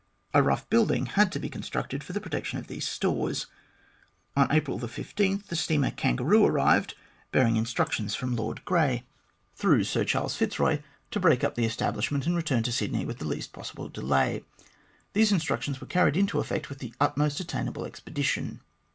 A rough building had to be constructed for the protection of these stores. On April 15, the steamer Kangaroo arrived, bearing instructions from Earl Grey, 68 THE GLADSTONE COLONY through Sir Charles Fitzroy, to break up the establishment, and return to Sydney with the least possible delay. These instructions were carried into effect with the utmost attain able expedition.